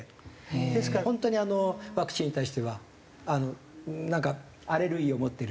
ですから本当にあのワクチンに対してはなんかアレルギーを持っている。